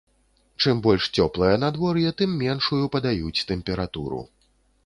Чым больш цёплае надвор'е, тым меншую падаюць тэмпературу.